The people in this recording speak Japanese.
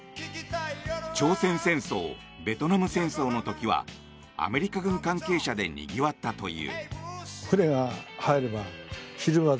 朝鮮戦争、ベトナム戦争の時はアメリカ軍関係者でにぎわったという。